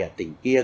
ở tỉnh kia